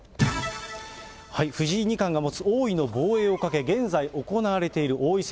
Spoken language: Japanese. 藤井二冠が持つ王位の防衛をかけ、現在、行われている王位戦